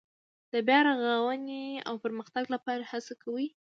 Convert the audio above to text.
د بیا رغاونې او پرمختګ لپاره هڅې کوي.